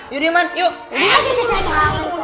yuk diam yuk